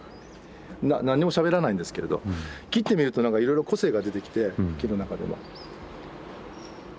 なんにもしゃべらないんですけれど切ってみるとなんかいろいろ個性が出てきて木の中でも。